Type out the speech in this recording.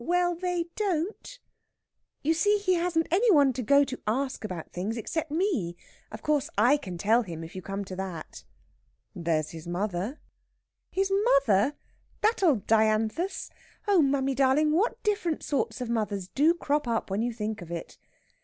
"Well, they don't.") You see, he hasn't any one to go to to ask about things except me. Of course I can tell him, if you come to that!" "There's his mother." "His mother! That old dianthus! Oh, mammy darling, what different sorts of mothers do crop up when you think of it!"